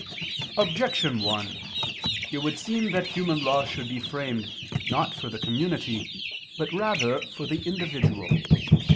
Objection 1: It would seem that human law should be framed not for the community, but rather for the individual.